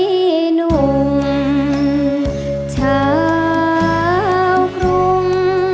มีหนุ่มเช้ากลุ่ม